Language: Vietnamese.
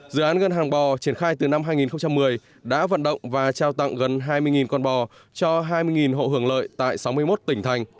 dự án ngân hàng bò triển khai từ năm hai nghìn một mươi đã vận động và trao tặng gần hai mươi con bò cho hai mươi hộ hưởng lợi tại sáu mươi một tỉnh thành